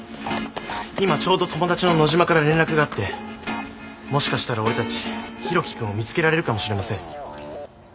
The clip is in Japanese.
今ちょうど友達の野嶋から連絡があってもしかしたら俺たち博喜くんを見つけられるかもしれません。